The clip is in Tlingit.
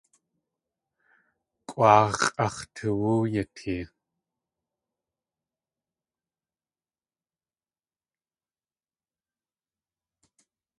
Kʼwáax̲ʼ yáx̲ ax̲ toowú yatee.